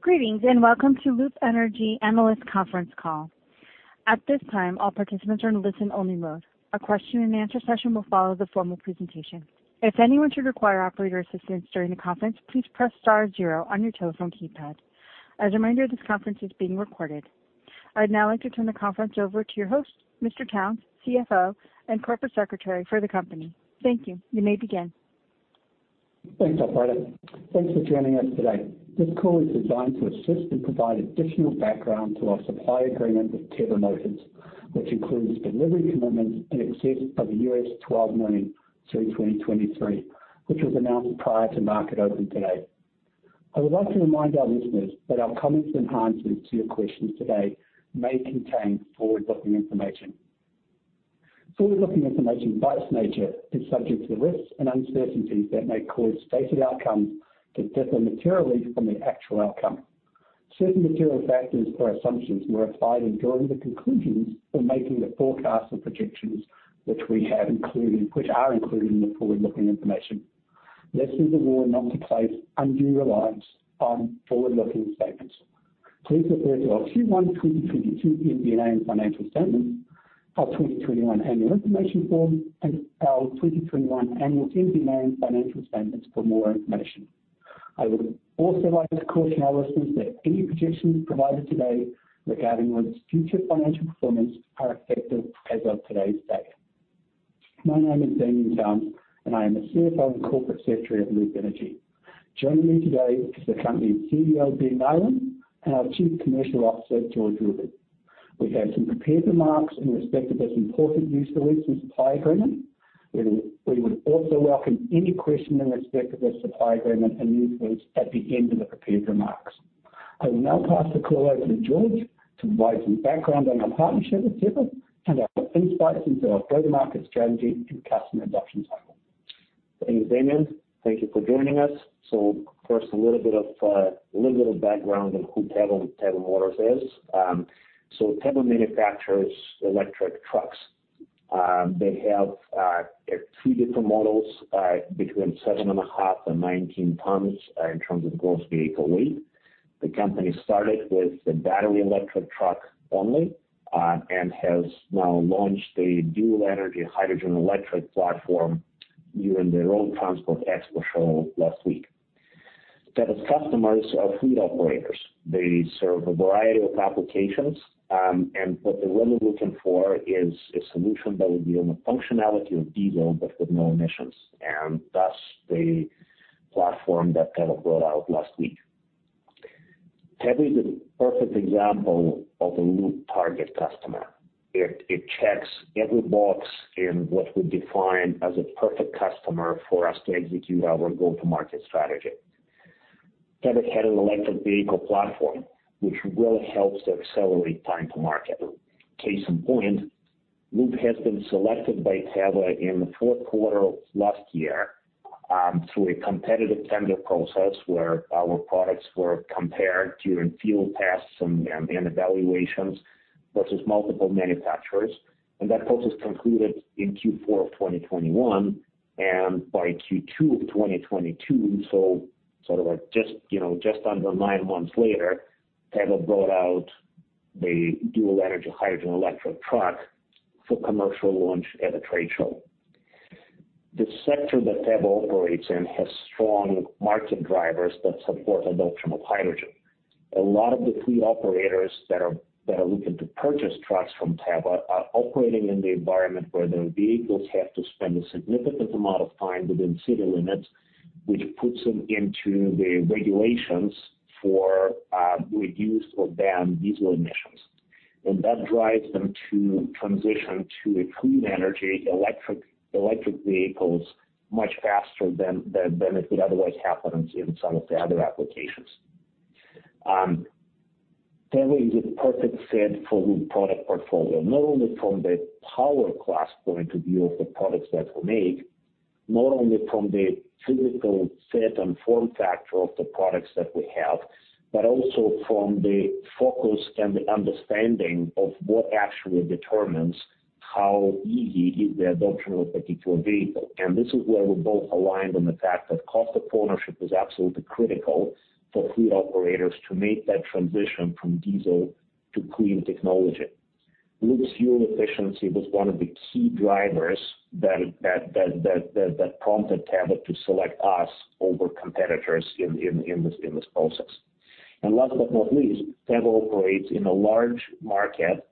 Greetings, and welcome to Loop Energy Analyst Conference Call. At this time, all participants are in listen-only mode. A question-and-answer session will follow the formal presentation. If anyone should require operator assistance during the conference, please press star zero on your telephone keypad. As a reminder, this conference is being recorded. I'd now like to turn the conference over to your host, Damian Towns, CFO and Corporate Secretary for the company. Thank you. You may begin. Thanks, operator. Thanks for joining us today. This call is designed to assist and provide additional background to our supply agreement with Tevva Motors, which includes delivery commitments in excess of $12 million through 2023, which was announced prior to market open today. I would like to remind our listeners that our comments in answers to your questions today may contain forward-looking information. Forward-looking information, by its nature, is subject to the risks and uncertainties that may cause stated outcomes to differ materially from the actual outcome. Certain material factors or assumptions were applied in drawing the conclusions or making the forecasts or projections which are included in the forward-looking information. Readers are warned not to place undue reliance on forward-looking statements. Please refer to our Q1 2022 MD&A and financial statements, our 2021 Annual Information Form, and our 2021 annual MD&A and financial statements for more information. I would also like to caution our listeners that any projections provided today regarding Loop's future financial performance are effective as of today's date. My name is Damian Towns, and I am the CFO and corporate secretary of Loop Energy. Joining me today is the company CEO, Ben Nyland, and our chief commercial officer, George Rubin. We have some prepared remarks in respect of this important news release and supply agreement. We would also welcome any question in respect of the supply agreement and news release at the end of the prepared remarks. I will now pass the call over to George to provide some background on our partnership with Tevva and our insights into our go-to-market strategy and customer adoption cycle. Thanks, Damian. Thank you for joining us. First, a little bit of background on who Tevva Motors is. Tevva manufactures electric trucks. They have two different models between 7.5 and 19 tons in terms of gross vehicle weight. The company started with the battery electric truck only and has now launched a dual energy hydrogen electric platform during their own transport expo show last week. Tevva's customers are fleet operators. They serve a variety of applications, and what they're really looking for is a solution that would be on the functionality of diesel, but with no emissions, and thus the platform that Tevva brought out last week. Tevva is a perfect example of a Loop target customer. It checks every box in what we define as a perfect customer for us to execute our go-to-market strategy. Tevva had an electric vehicle platform, which really helps to accelerate time to market. Case in point, Loop has been selected by Tevva in the fourth quarter of last year through a competitive tender process where our products were compared during field tests and evaluations versus multiple manufacturers. That process concluded in Q4 of 2021, and by Q2 of 2022, so sort of like just, you know, just under nine months later, Tevva brought out the dual energy hydrogen electric truck for commercial launch at a trade show. The sector that Tevva operates in has strong market drivers that support adoption of hydrogen. A lot of the fleet operators that are looking to purchase trucks from Tevva are operating in the environment where their vehicles have to spend a significant amount of time within city limits, which puts them into the regulations for reduced or banned diesel emissions. That drives them to transition to a clean energy electric vehicles much faster than it would otherwise happen in some of the other applications. Tevva is a perfect fit for Loop product portfolio, not only from the power class point of view of the products that we make, not only from the physical fit and form factor of the products that we have, but also from the focus and the understanding of what actually determines how easy is the adoption of a particular vehicle. This is where we're both aligned on the fact that cost of ownership is absolutely critical for fleet operators to make that transition from diesel to clean technology. Loop's fuel efficiency was one of the key drivers that prompted Tevva to select us over competitors in this process. Last but not least, Tevva operates in a large market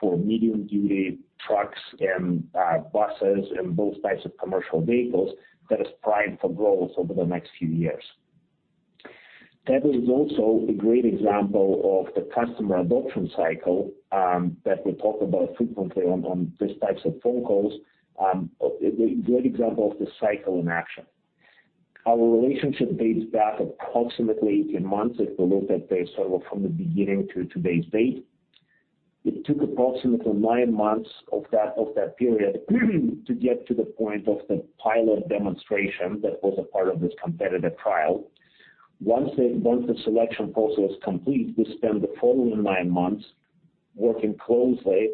for medium-duty trucks and buses and both types of commercial vehicles that is primed for growth over the next few years. Tevva is also a great example of the customer adoption cycle that we talk about frequently on these types of phone calls, a great example of the cycle in action. Our relationship dates back approximately 18 months if you look at the sort of from the beginning to today's date. It took approximately 9 months of that period to get to the point of the pilot demonstration that was a part of this competitive trial. Once the selection process was complete, we spent the following 9 months working closely,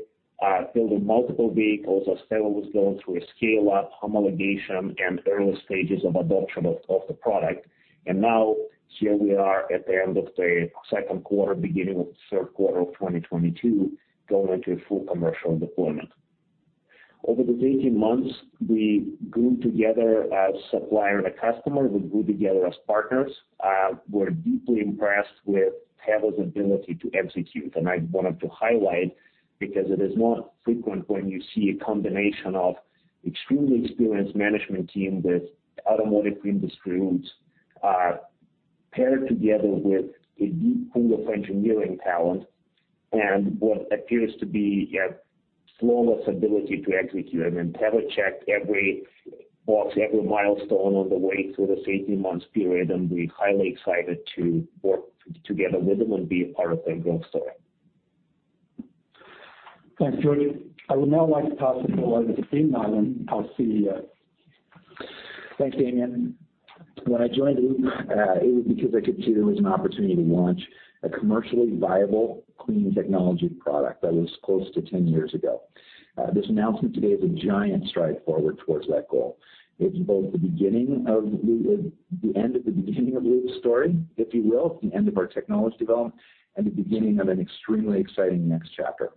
building multiple vehicles as Tevva was going through a scale-up homologation and early stages of adoption of the product. Now here we are at the end of the second quarter, beginning of the third quarter of 2022, going into full commercial deployment. Over these 18 months, we grew together as supplier and a customer. We grew together as partners. We're deeply impressed with Tevva's ability to execute, and I wanted to highlight because it is not frequent when you see a combination of extremely experienced management team with automotive industry roots, paired together with a deep pool of engineering talent and what appears to be a flawless ability to execute. I mean, Tevva checked every box, every milestone on the way through this 18 months period, and we're highly excited to work together with them and be a part of their growth story. Thanks, George. I would now like to pass it over to Ben Nyland, our CEO. Thanks, Damian. When I joined Loop, it was because I could see there was an opportunity to launch a commercially viable clean technology product. That was close to 10 years ago. This announcement today is a giant stride forward toward that goal. It is both the beginning of Loop with the end of the beginning of Loop's story, if you will, the end of our technology development, and the beginning of an extremely exciting next chapter.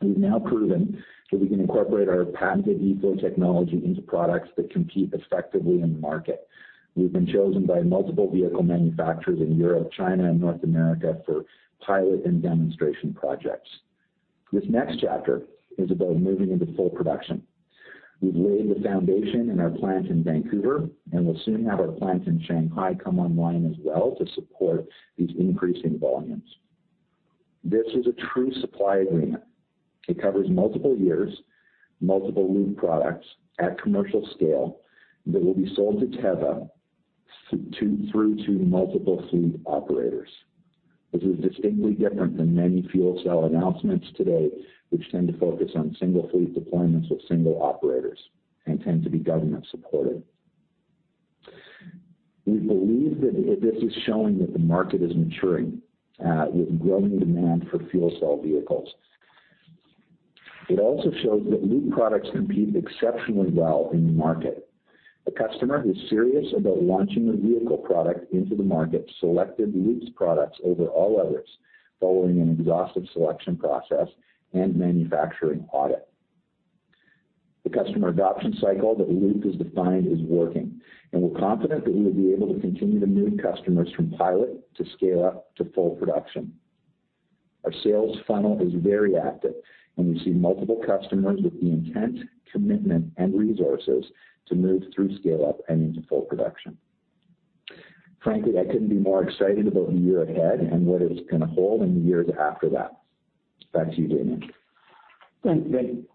We've now proven that we can incorporate our patented eFlow technology into products that compete effectively in the market. We've been chosen by multiple vehicle manufacturers in Europe, China, and North America for pilot and demonstration projects. This next chapter is about moving into full production. We've laid the foundation in our plant in Vancouver, and we'll soon have our plant in Shanghai come online as well to support these increasing volumes. This is a true supply agreement. It covers multiple years, multiple Loop products at commercial scale that will be sold to Tevva through to multiple fleet operators, which is distinctly different than many fuel cell announcements today, which tend to focus on single fleet deployments with single operators and tend to be government supported. We believe that this is showing that the market is maturing, with growing demand for fuel cell vehicles. It also shows that Loop products compete exceptionally well in the market. A customer who's serious about launching a vehicle product into the market selected Loop's products over all others following an exhaustive selection process and manufacturing audit. The customer adoption cycle that Loop has defined is working, and we're confident that we will be able to continue to move customers from pilot to scale up to full production. Our sales funnel is very active, and we see multiple customers with the intent, commitment, and resources to move through scale up and into full production. Frankly, I couldn't be more excited about the year ahead and what it is gonna hold in the years after that. Back to you, Damian. Thanks, Ben Nyland.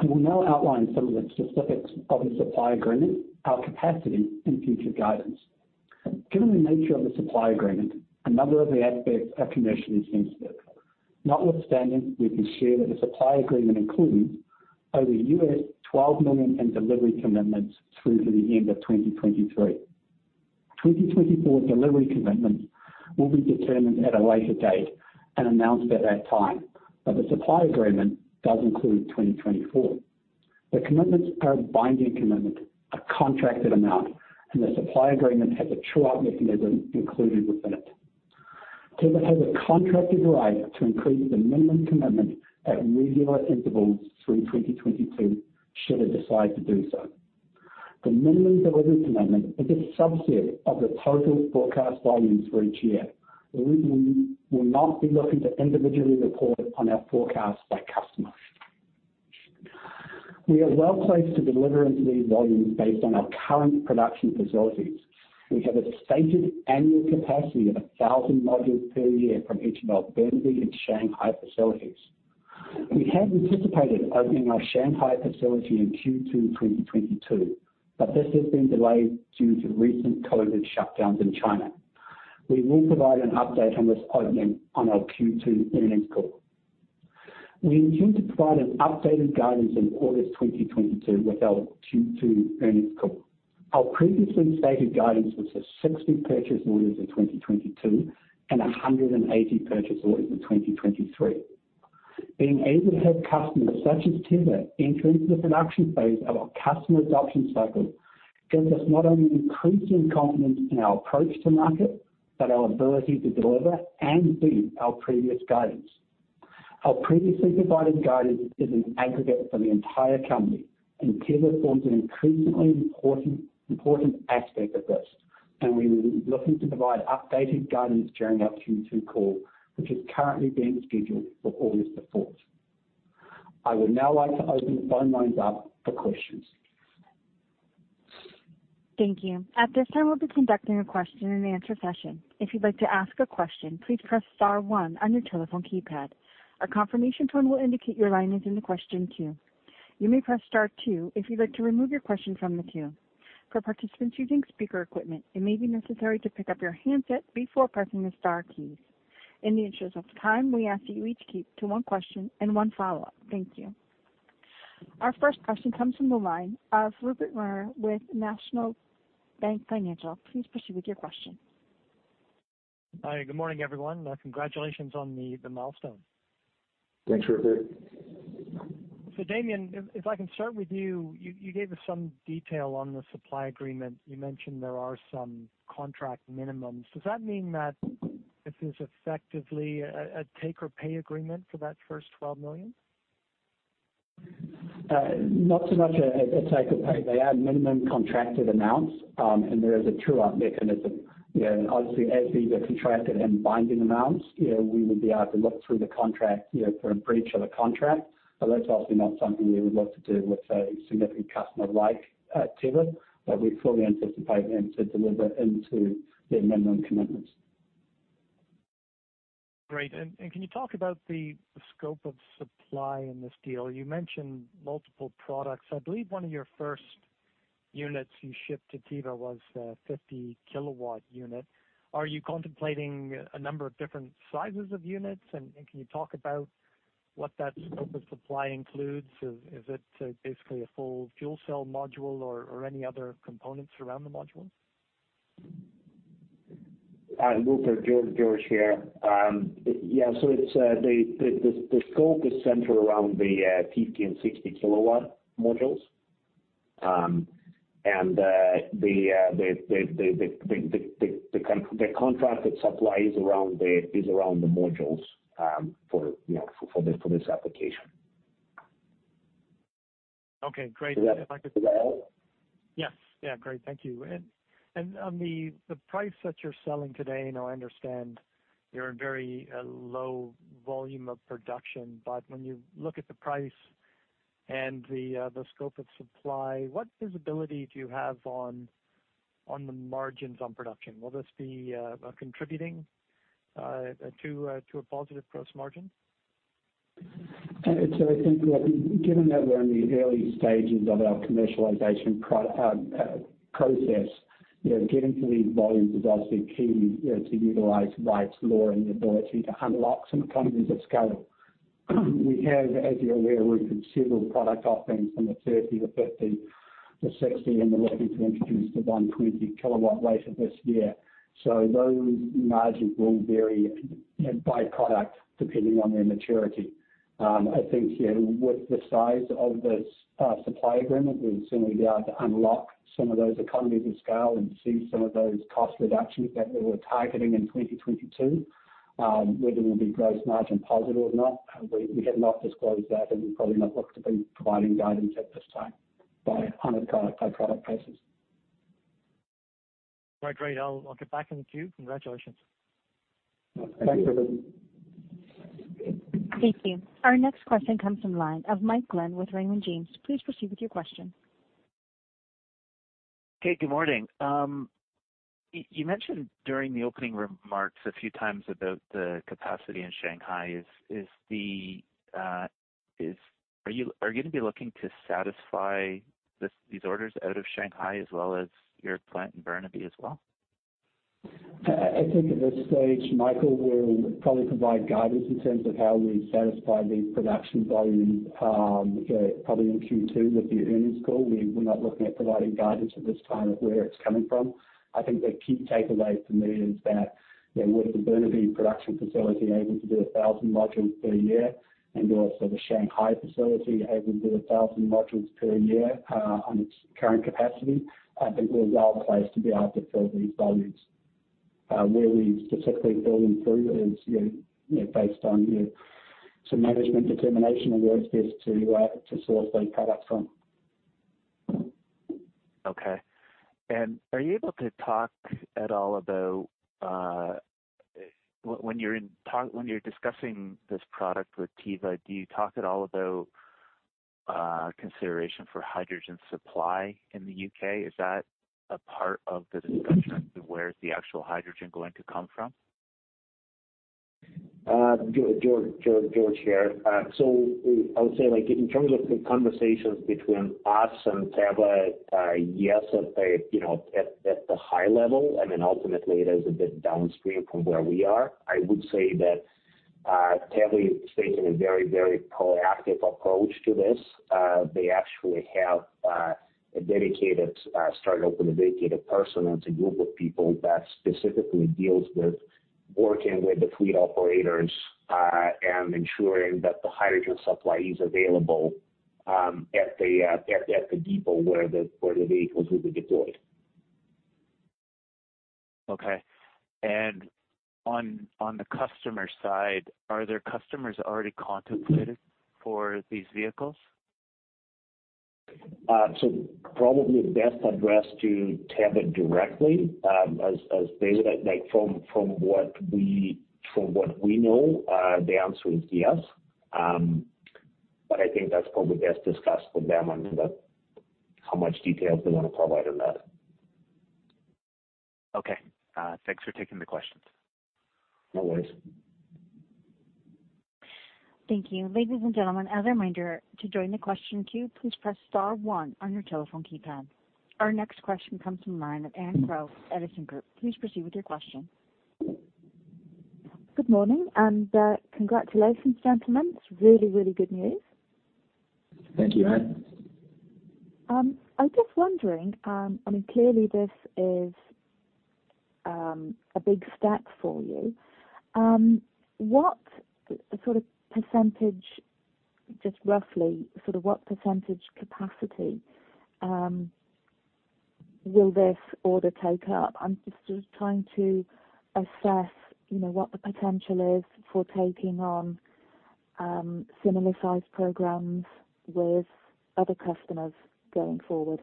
I will now outline some of the specifics of the supply agreement, our capacity and future guidance. Given the nature of the supply agreement, a number of the aspects are commercially sensitive. Notwithstanding, we can share that the supply agreement includes over $12 million in delivery commitments through to the end of 2023. 2024 delivery commitments will be determined at a later date and announced at that time, but the supply agreement does include 2024. The commitments are a binding commitment, a contracted amount, and the supply agreement has a true-up mechanism included with it. Tevva has a contracted right to increase the minimum commitment at regular intervals through 2022, should it decide to do so. The minimum delivery commitment is a subset of the total forecast volumes for each year. Loop will not be looking to individually report on our forecast by customer. We are well-placed to deliver into these volumes based on our current production facilities. We have a stated annual capacity of 1,000 modules per year from each of our Burnaby and Shanghai facilities. We had anticipated opening our Shanghai facility in Q2 2022, but this has been delayed due to recent COVID shutdowns in China. We will provide an update on this opening on our Q2 earnings call. We intend to provide an updated guidance in August 2022 with our Q2 earnings call. Our previously stated guidance was for 60 purchase orders in 2022 and 180 purchase orders in 2023. Being able to have customers such as Tevva entering the production phase of our customer adoption cycle gives us not only increasing confidence in our approach to market, but our ability to deliver and beat our previous guidance. Our previously provided guidance is an aggregate for the entire company, and Tevva forms an increasingly important aspect of this, and we will be looking to provide updated guidance during our Q2 call, which is currently being scheduled for August the fourth. I would now like to open the phone lines up for questions. Thank you. At this time, we'll be conducting a question and answer session. If you'd like to ask a question, please press star one on your telephone keypad. A confirmation tone will indicate your line is in the question queue. You may press star two if you'd like to remove your question from the queue. For participants using speaker equipment, it may be necessary to pick up your handset before pressing the star keys. In the interest of time, we ask you each keep to one question and one follow-up. Thank you. Our first question comes from the line of Rupert Merer with National Bank Financial. Please proceed with your question. Hi, good morning, everyone. Congratulations on the milestone. Thanks, Rupert. Damian, if I can start with you gave us some detail on the supply agreement. You mentioned there are some contract minimums. Does that mean that this is effectively a take or pay agreement for that first $12 million? Not so much a take or pay. They are minimum contracted amounts, and there is a true-up mechanism. You know, and obviously as these are contracted and binding amounts, you know, we would be able to look through the contract, you know, for a breach of the contract. That's obviously not something we would look to do with a significant customer like Tevva, but we fully anticipate them to deliver into their minimum commitments. Great. Can you talk about the scope of supply in this deal? You mentioned multiple products. I believe one of your first units you shipped to Tevva was the 50 kW unit. Are you contemplating a number of different sizes of units? Can you talk about what that scope of supply includes? Is it basically a full fuel cell module or any other components around the module? Rupert, George here. The scope is centered around the 50 and 60 kW modules. The contracted supply is around the modules for you know this application. Okay, great. If I could. Does that help? Yes. Yeah, great. Thank you. On the price that you're selling today, now I understand you're in very low volume of production, but when you look at the price and the scope of supply, what visibility do you have on the margins on production? Will this be contributing to a positive gross margin? I think, given that we're in the early stages of our commercialization process, you know, getting to these volumes is obviously key to utilization rates, lowering costs and unlocking some economies of scale. We have, as you're aware, considered product offerings from the 30 to 50 to 60, and we're looking to introduce the 120 kW later this year. Those margins will vary, you know, by product depending on their maturity. I think, you know, with the size of this supply agreement, we'll certainly be able to unlock some of those economies of scale and see some of those cost reductions that we were targeting in 2022. Whether we'll be gross margin positive or not, we have not disclosed that and probably not look to be providing guidance at this time, on a per product basis. Right. Great. I'll get back in the queue. Congratulations. Thank you. Thank you. Our next question comes from line of Mike Gleim with Raymond James. Please proceed with your question. Okay, good morning. You mentioned during the opening remarks a few times about the capacity in Shanghai. Are you gonna be looking to satisfy these orders out of Shanghai as well as your plant in Burnaby as well? I think at this stage, Michael, we'll probably provide guidance in terms of how we satisfy these production volumes, probably in Q2 with the earnings call. We're not looking at providing guidance at this time of where it's coming from. I think the key takeaway for me is that, you know, with the Burnaby production facility able to do 1,000 modules per year and also the Shanghai facility able to do 1,000 modules per year, on its current capacity, I think we're well placed to be able to fill these volumes. Where we specifically fill them through is, you know, based on, you know, some management determination of where it's best to source these products from. Okay. Are you able to talk at all about when you're discussing this product with Tevva, do you talk at all about consideration for hydrogen supply in the UK? Is that a part of the discussion as to where is the actual hydrogen going to come from? George here. So I would say like in terms of the conversations between us and Tevva, yes, you know, at the high level, I mean, ultimately it is a bit downstream from where we are. I would say that Tevva is taking a very, very proactive approach to this. They actually have started off with a dedicated person and it's a group of people that specifically deals with working with the fleet operators and ensuring that the hydrogen supply is available at the depot where the vehicles will be deployed. Okay. On the customer side, are there customers already contemplated for these vehicles? Probably best addressed to Tevva directly. As they would like, from what we know, the answer is yes. I think that's probably best discussed with them on how much details they wanna provide on that. Okay. Thanks for taking the questions. No worries. Thank you. Ladies and gentlemen, as a reminder, to join the question queue, please press star one on your telephone keypad. Our next question comes from the line of Anne Crowe, Edison Group. Please proceed with your question. Good morning and congratulations, gentlemen. It's really, really good news. Thank you, Ann. I'm just wondering, I mean, clearly this is a big step for you. What sort of percentage, just roughly sort of what percentage capacity will this order take up? I'm just trying to assess, you know, what the potential is for taking on similar size programs with other customers going forward.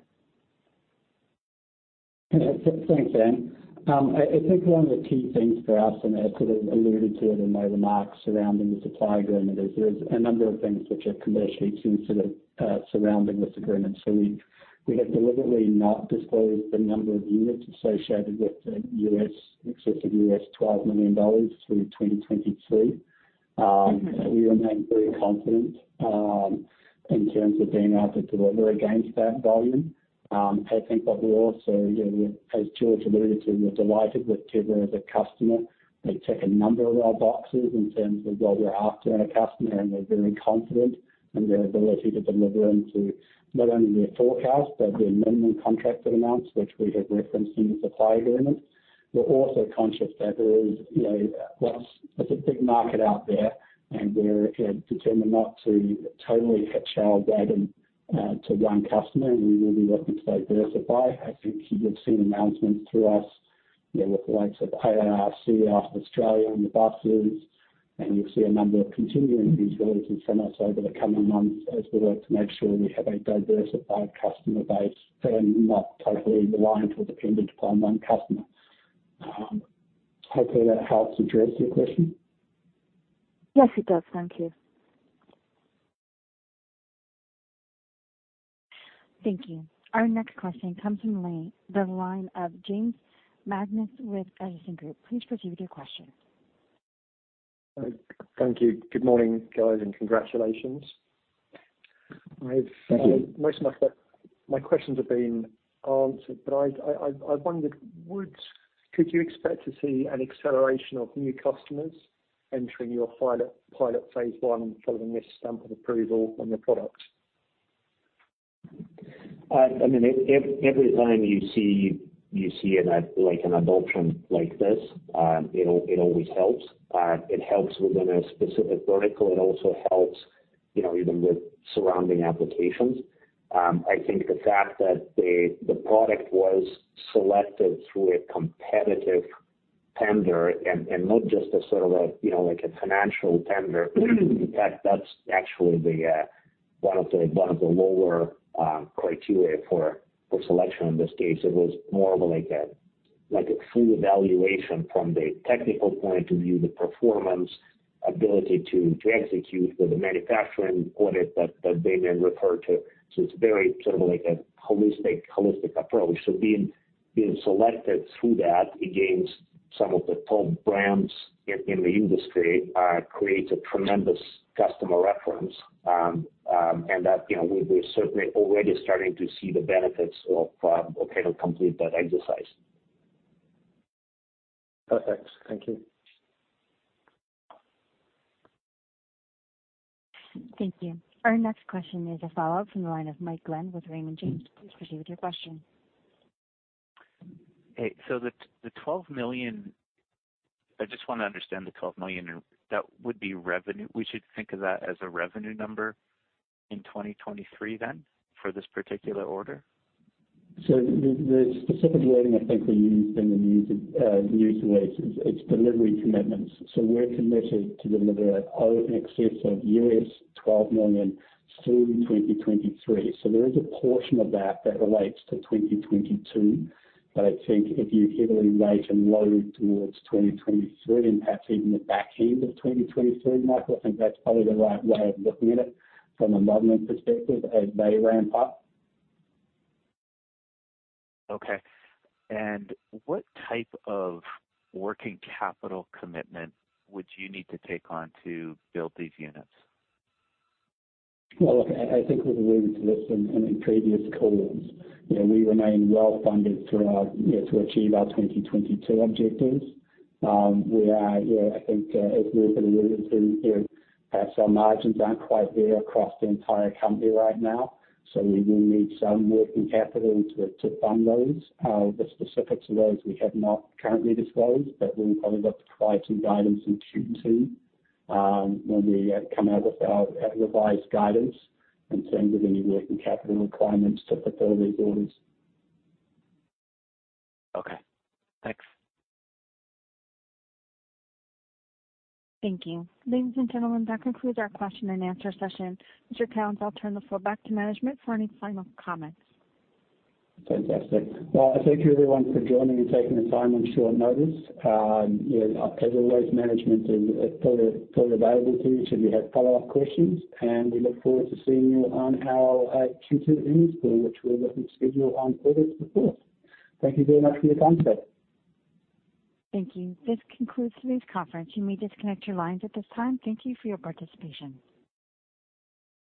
Yeah. Thanks, Ann. I think one of the key things for us, and I sort of alluded to it in my remarks surrounding the supply agreement, is there's a number of things which are commercially sensitive surrounding this agreement. We have deliberately not disclosed the number of units associated with the S.A. in excess of $12 million through 2023. We remain very confident in terms of being able to deliver against that volume. I think what we're also, you know, as George alluded to, we're delighted with Tevva as a customer. They tick a number of our boxes in terms of what we're after in a customer, and we're very confident in their ability to deliver into not only their forecast, but their minimum contracted amounts, which we have referenced in the supply agreement. We're also conscious that there is, you know, it's a big market out there, and we're determined not to totally hitch our wagon to one customer, and we will be looking to diversify. I think you'll see announcements through us, you know, with the likes of ARCC out of Australia on the buses, and you'll see a number of continuing news releases from us over the coming months as we work to make sure we have a diversified customer base and not totally reliant or dependent upon one customer. Hopefully that helps address your question. Yes, it does. Thank you. Thank you. Our next question comes from the line of James Magness with Edison Group. Please proceed with your question. Thank you. Good morning, guys, and congratulations. Thank you. I've most of my questions have been answered, but I wondered, could you expect to see an acceleration of new customers entering your pilot phase one following this stamp of approval on the product? I mean, every time you see an adoption like this, it always helps. It helps within a specific vertical. It also helps, you know, even with surrounding applications. I think the fact that the product was selected through a competitive tender and not just a sort of a, you know, like a financial tender, in fact, that's actually one of the lower criteria for selection in this case. It was more like a full evaluation from the technical point of view, the performance, ability to execute with the manufacturing audit that Damian referred to. It's very sort of like a holistic approach. Being selected through that against some of the top brands in the industry creates a tremendous customer reference. That, you know, we're certainly already starting to see the benefits of having completed that exercise. Perfect. Thank you. Thank you. Our next question is a follow-up from the line of Mike Gleim with Raymond James. Please proceed with your question. Hey. The $12 million. I just wanna understand the $12 million. That would be revenue. We should think of that as a revenue number in 2023 then for this particular order? The specific wording I think we used in the news release, it's delivery commitments. We're committed to deliver in excess of $12 million through 2023. There is a portion of that that relates to 2022. I think if you heavily weight and load towards 2023 and perhaps even the back end of 2023, Michael, I think that's probably the right way of looking at it from a modeling perspective as they ramp up. Okay. What type of working capital commitment would you need to take on to build these units? Well, look, I think we've alluded to this in the previous calls. You know, we remain well funded through our, you know, to achieve our 2022 objectives. We are, you know, I think, as we've alluded to, you know, perhaps our margins aren't quite there across the entire company right now, so we will need some working capital to fund those. The specifics of those we have not currently disclosed, but we'll probably look to provide some guidance in Q2, when we come out with our revised guidance in terms of any working capital requirements to fulfill these orders. Okay. Thanks. Thank you. Ladies and gentlemen, that concludes our question and answer session. Mr. Towns, I'll turn the floor back to management for any final comments. Fantastic. Well, thank you everyone for joining and taking the time on short notice. You know, as always, management is totally available to you should you have follow-up questions, and we look forward to seeing you on our Q2 earnings call, which we're looking to schedule on August the fourth. Thank you very much for your time today. Thank you. This concludes today's conference. You may disconnect your lines at this time. Thank you for your participation.